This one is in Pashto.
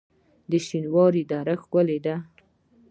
شینوارو دره ښکلې ده؟